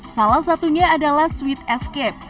salah satunya adalah sweet escape